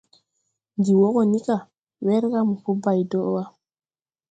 Ndi wɔ go ni ga, werga mo po bay do wa.